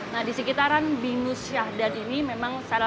nah di sekitaran bingu syahdan ini memang salah satu favoritnya itu adalah